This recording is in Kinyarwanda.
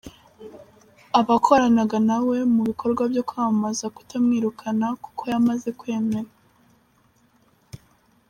abakoranaga na we mu bikorwa byo kwamamaze kutamwirukana kuko yamaze kwemera.